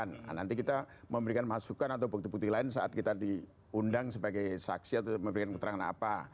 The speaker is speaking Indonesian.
nah nanti kita memberikan masukan atau bukti bukti lain saat kita diundang sebagai saksi atau memberikan keterangan apa